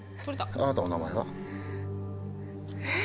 あなたの名前は？えっ？